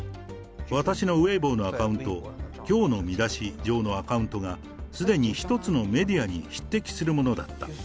私のウェイボーのアカウント、きょうの見出し上のアカウントが、すでに一つのメディアに匹敵するものだった。